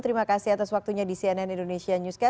terima kasih atas waktunya di cnn indonesia newscast